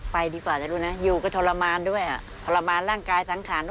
เพราะว่าใช้ชีวิตคู่มาด้วยกัน